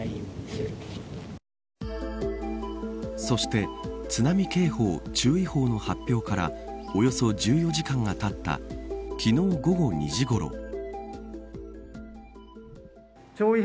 そして津波警報注意報の発表からおよそ１４時間がたった昨日、午後２時ごろ。